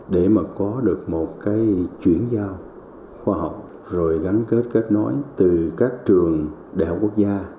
để mà có được một cái chuyển giao khoa học rồi gắn kết kết nối từ các trường đại học quốc gia